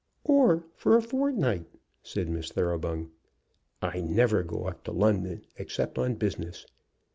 "Or for a fortnight," said Miss Thoroughbung. "I never go up to London except on business."